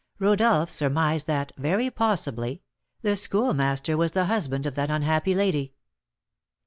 Rodolph surmised that, very possibly, the Schoolmaster was the husband of that unhappy lady.